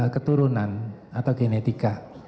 keturunan atau genetika